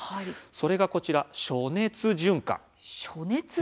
それがこちら暑熱順化です。